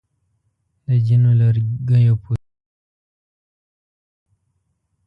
د ځینو لرګیو پوستکي طبي ارزښت لري.